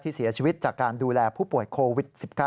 เสียชีวิตจากการดูแลผู้ป่วยโควิด๑๙